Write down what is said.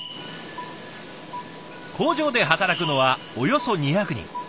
工場で働くのはおよそ２００人。